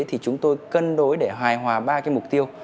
thì chúng tôi cân đối để hoài hòa ba mục tiêu